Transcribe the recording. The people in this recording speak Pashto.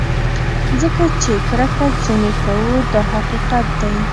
ځکه چې کرکه ځینې کوو دا حقیقت دی.